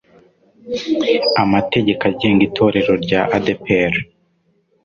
amategeko agenga itorero ry' ADEPR